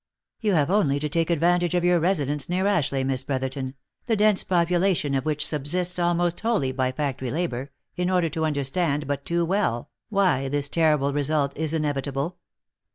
" You have only to take advantage of your residence near Ashleigh, Miss Brotherton, the dense population of which subsists almost wholly by factory labour, in order to understand, but too well, why this ter rible result is inevitable.